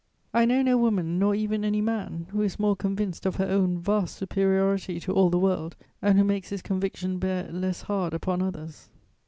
I know no woman, nor even any man, who is more convinced of her own vast superiority to all the world and who makes this conviction bear less hard upon others.